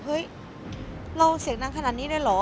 เฮ้ยเราเสียงดังขนาดนี้เลยเหรอ